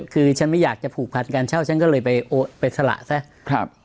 คือฉันไม่อยากจะผูกพันการเช่าฉันก็เลยไปสละซะ